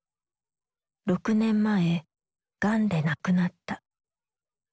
６年前がんで亡くなった。